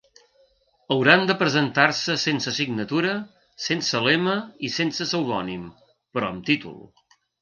Hauran de presentar-se sense signatura, sense lema i sense pseudònim, però amb títol.